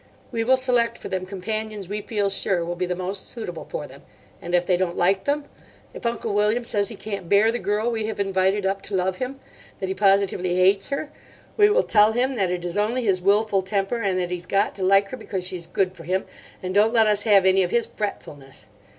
We will select for them companions we feel sure will be the most suitable for them; and if they don't like them—if Uncle William says he can't bear the girl we have invited up to love him—that he positively hates her, we till tell him that it is only his wilful temper, and that he's got to like her because she's good for him; and don't let us have any of his fretfulness.